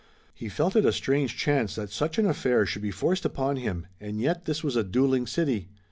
He felt it a strange chance that such an affair should be forced upon him, and yet this was a dueling city.